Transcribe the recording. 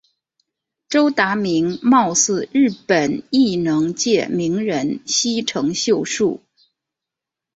周达明貌似日本艺能界名人西城秀树。